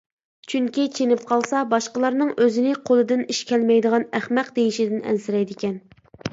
چۈنكى، چېنىپ قالسا باشقىلارنىڭ ئۆزىنى قولىدىن ئىش كەلمەيدىغان ئەخمەق دېيىشىدىن ئەنسىرەيدىكەن.